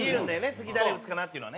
次誰打つかなっていうのがね。